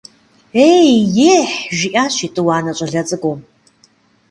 - Ей–ехь, - жиӏащ етӏуанэ щӏалэ цӏыкӏум.